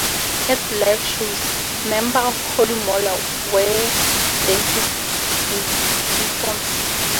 At live shows, members of Holy Molar wear dentist uniforms.